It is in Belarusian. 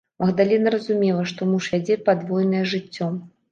Магдалена разумела, што муж вядзе падвойнае жыццё.